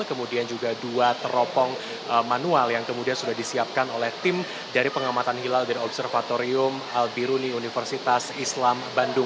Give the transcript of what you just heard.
kemudian juga dua teropong manual yang kemudian sudah disiapkan oleh tim dari pengamatan hilal dari observatorium albiruni universitas islam bandung